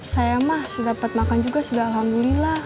saya mah sudah dapat makan juga sudah alhamdulillah